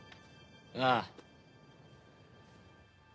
ああ。